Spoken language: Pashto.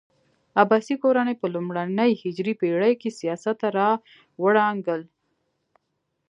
عباسي کورنۍ په لومړنۍ هجري پېړۍ کې سیاست ته راوړانګل.